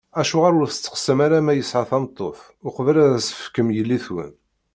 Acuɣer ur testeqsayem ara ma yesɛa tameṭṭut, uqbel ad as-tefkem yellitwen?